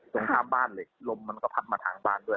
ตรงข้ามบ้านเหล็กลมมันก็พัดมาทางบ้านด้วย